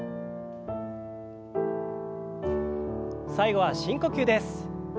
最後は深呼吸です。